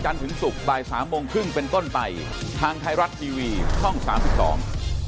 ผมพูดไม่เคยมีประเด็นอะไรเลย